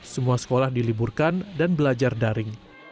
semua sekolah diliburkan dan belajar daring